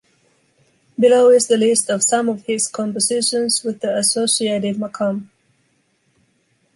Below is a list of some of his compositions with the associated makam.